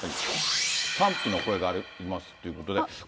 賛否の声がありますということで。